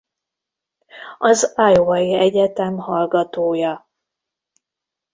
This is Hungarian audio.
Az Iowai Egyetem hallgatója.